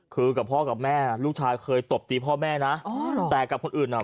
คือกับพ่อกับแม่ลูกชายเคยตบตีพ่อแม่นะ